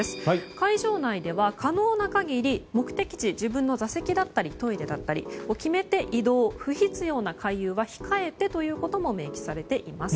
会場内では可能な限り目的地、自分の座席だったりトイレだったりを決めて移動、不必要な回遊は控えてと明記されています。